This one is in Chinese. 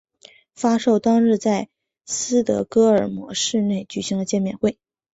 发售当日在斯德哥尔摩市内举行了见面会。